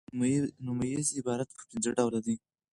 نومیز عبارت پر پنځه ډوله دئ.